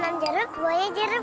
nanam jeruk buahnya jeruk bang